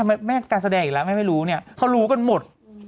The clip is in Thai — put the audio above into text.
แม่การแสดงอีกแล้วแม่ไม่รู้เนี่ยเขารู้กันหมด